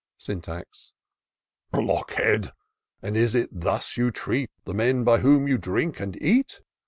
" Syntax. Blockhead! and is it thus you treat The men by whom you drink and eat